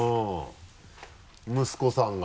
息子さんが。